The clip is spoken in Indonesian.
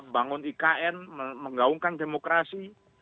bangun ikn menggaungkan demokrasi